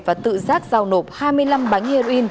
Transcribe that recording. và tự giác giao nộp hai mươi năm bánh heroin